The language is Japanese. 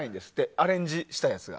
アレンジしたやつが。